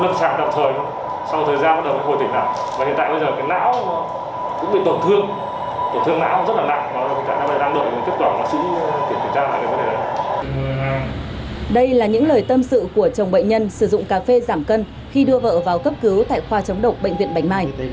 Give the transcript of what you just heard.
các lời tâm sự của chồng bệnh nhân sử dụng cà phê giảm cân khi đưa vợ vào cấp cứu tại khoa chống độc bệnh viện bảnh mai